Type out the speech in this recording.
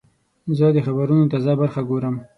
زه د خبرونو تازه برخه ګورم.